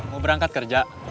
mau berangkat kerja